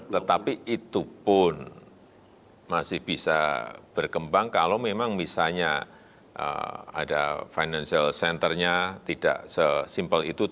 tetapi itu pun masih bisa berkembang kalau memang misalnya ada financial centernya tidak sesimpel itu